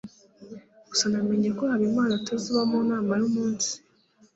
gusa namenye ko habimana atazaba mu nama uyu munsi